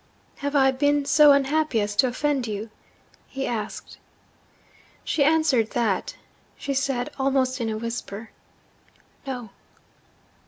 'Have I been so unhappy as to offend you?' he asked. She answered that she said, almost in a whisper, 'No.'